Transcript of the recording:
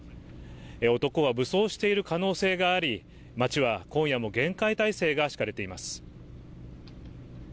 男は武装している可能性があり町は今夜も厳戒態勢が敷かれています